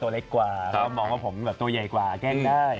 ตัวนี้แก่ว่าตัวเล็กกว่าตัวใหญ่กว่าแกล้งได้